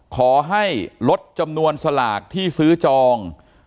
ขอให้ลดจำนวนสลากที่ซื้อจอง